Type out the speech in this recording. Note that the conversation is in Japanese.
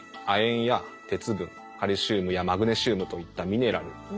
亜鉛や鉄分カルシウムやマグネシウムといったミネラル。